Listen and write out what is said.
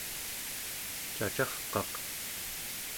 cacarqaq